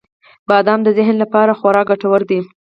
• بادام د ذهن لپاره خورا ګټور دی.